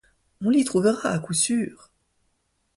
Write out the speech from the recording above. On l'y trouvera à coup sûr.